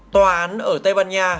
tòa án ở tây ban nha